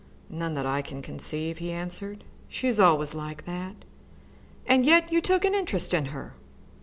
"None that I can conceive," he answered. "She is always like that." "And yet you took an interest in her!"